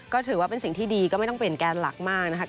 ก็ถือว่าเป็นสิ่งที่ดีก็ไม่ต้องเปลี่ยนแกนหลักมากนะคะ